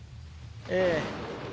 ええ。